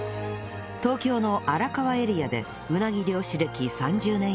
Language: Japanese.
東京の荒川エリアでうなぎ漁師歴３０年以上！